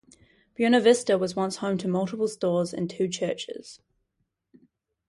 Buena Vista was once home to multiple stores and two churches.